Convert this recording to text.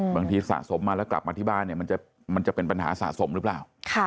สะสมมาแล้วกลับมาที่บ้านเนี่ยมันจะเป็นปัญหาสะสมหรือเปล่า